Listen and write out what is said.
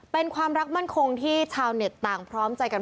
เป็นความรักมั่นคงที่ชาวเน็ตต่างพร้อมใจกัน